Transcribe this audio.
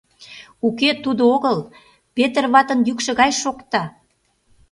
— Уке, тудо огыл, Петыр ватын йӱкшӧ гай шокта.